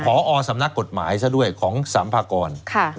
พอสำนักกฎหมายซะด้วยของสัมภากร